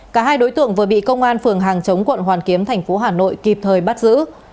cả hai đối tượng vừa bị công an phường hàng chống quận hoàn kiếm thành phố hà nội kịp thời bắt giữ